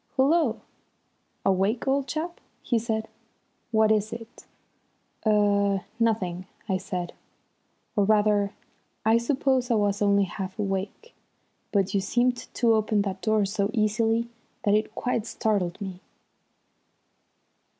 "Hullo! Awake, old chap?" he said. "What is it?" "Er nothing," I said. "Or rather I suppose I was only half awake; but you seemed to open that door so easily that it quite startled me."